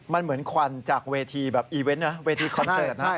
มันเหมือนควันจากเวทีแบบอีเวนต์นะเวทีคอนเสิร์ตนะ